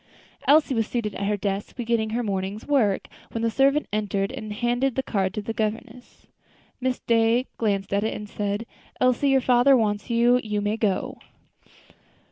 Elsie was seated at her desk, beginning her morning's work, when the servant entered and handed the card to the governess. Miss Day glanced at it and said: "Elsie, your father wants you. You may go."